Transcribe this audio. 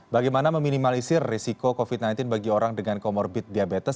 bagaimana meminimalisir risiko covid sembilan belas bagi orang dengan comorbid diabetes